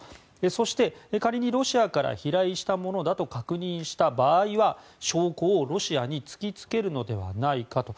そして、仮にロシアから飛来したものだと確認した場合は証拠をロシアに突きつけるのではないかと。